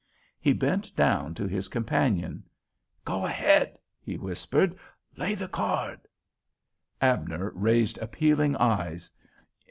He bent down to his companion. "Go ahead," he whispered. "Lay the card." Abner raised appealing eyes.